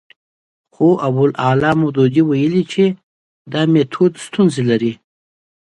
خو ابوالاعلی مودودي ویلي چې دا میتود ستونزه لري.